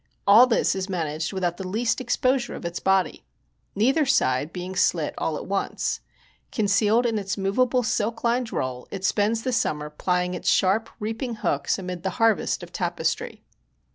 All this is managed without the least exposure of its body. Neither side being slit all at once. Concealed in its movable silk lined roll it spends the summer plying its sharp reaping hooks amid the harvest of tapestry.